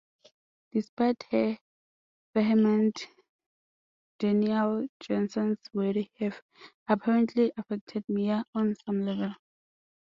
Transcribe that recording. Despite her vehement denial, Jason's words have apparently affected Mia on some level.